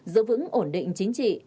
giữ vững ổn định chính trị